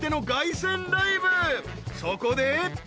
［そこで］